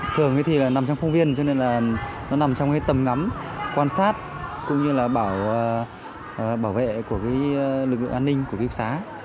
thường thì nó nằm trong khuôn viên cho nên là nó nằm trong cái tầm ngắm quan sát cũng như là bảo vệ của lực lượng an ninh của ký túc xá